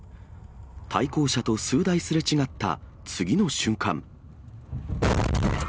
対向車と数台すれ違った次の瞬間。